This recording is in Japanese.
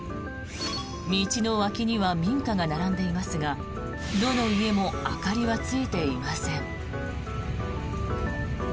道の脇には民家が並んでいますがどの家も明かりはついていません。